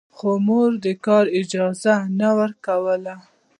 خو مور يې د کار اجازه نه ورکوله.